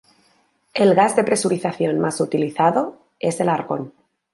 El gas de presurización más utilizado es el argón.